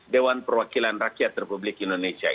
dewan perwakilan rakyat republik indonesia